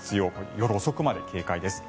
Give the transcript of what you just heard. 夜遅くまで警戒です。